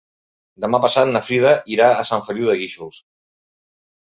Demà passat na Frida irà a Sant Feliu de Guíxols.